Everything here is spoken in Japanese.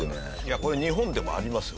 これ日本でもありますよ。